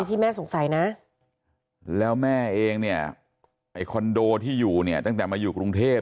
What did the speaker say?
ที่แม่สงสัยนะแล้วแม่เองเนี่ยไอ้คอนโดที่อยู่เนี่ยตั้งแต่มาอยู่กรุงเทพ